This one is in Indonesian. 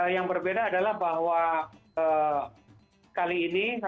yang berbeda adalah bahwa kali ini